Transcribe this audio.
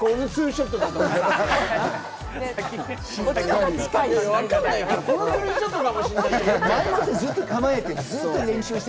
３ショットかもしれないし。